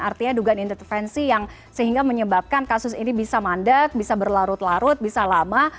artinya dugaan intervensi yang sehingga menyebabkan kasus ini bisa mandek bisa berlarut larut bisa lama